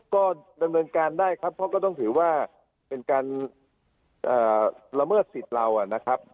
ก็ดำเนินการได้ครับเพราะก็ต้องถือว่าเป็นการละเมิดสิทธิ์เรานะครับ